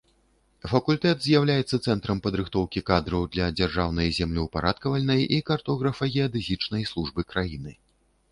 Факультэт з'яўляецца цэнтрам падрыхтоўкі кадраў для дзяржаўнай землеўпарадкавальнай і картографа-геадэзічнай службы краіны.